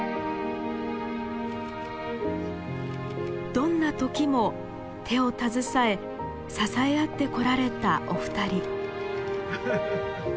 どんな時も手を携え支え合ってこられたお二人。